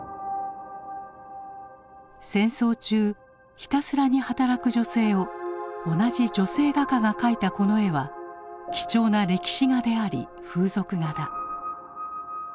「戦争中ひたすらに働く女性を同じ女性画家がかいたこの絵は貴重な歴史画であり風俗画だ。